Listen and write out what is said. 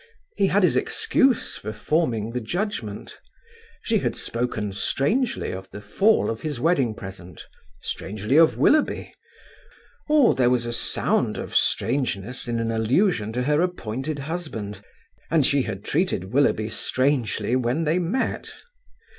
He had his excuse for forming the judgement. She had spoken strangely of the fall of his wedding present, strangely of Willoughby; or there was a sound of strangeness in an allusion to her appointed husband: and she had treated Willoughby strangely when they met.